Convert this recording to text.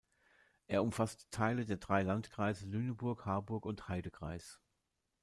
Er umfasst Teile der drei Landkreise Lüneburg, Harburg und Heidekreis.